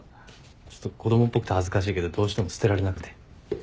ちょっと子供っぽくて恥ずかしいけどどうしても捨てられなくて。